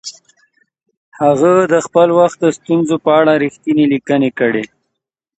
هغه د خپل وخت د ستونزو په اړه رښتیني لیکنې کړي.